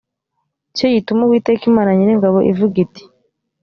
ni cyo gituma uwiteka imana nyiringabo ivuga iti